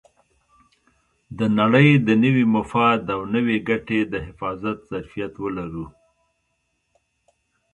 د نړۍ د نوي مفاد او نوې ګټې د حفاظت ظرفیت ولرو.